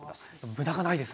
無駄がないですね。